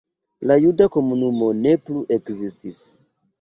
La juda komunumo ne plu ekzistis.